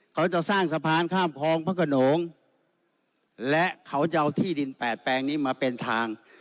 เขาจะสร้างสะพานข้ามคลองพระขนงและเขาจะเอาที่ดินแปดแปลงนี้มาเป็นทาง